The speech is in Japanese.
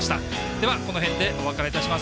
では、この辺でお別れいたします。